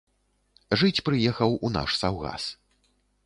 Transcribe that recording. Жыць прыехаў у наш саўгас.